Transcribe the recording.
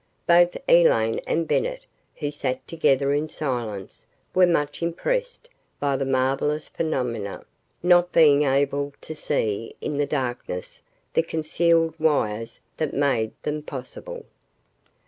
Both Elaine and Bennett who sat together in silence were much impressed by the marvellous phenomena not being able to see, in the darkness, the concealed wires that made them possible.